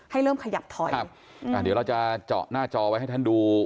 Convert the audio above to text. ให้เริ่มขยับถอยครับอ่าเดี๋ยวเราจะเจาะหน้าจอไว้ให้ท่านดู